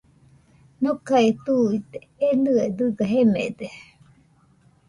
Nokae tuide enɨe dɨga jemede